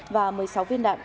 và một mươi sáu viên đạn